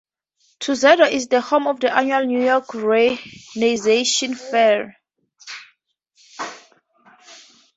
Tuxedo is the home of the annual New York Renaissance Faire.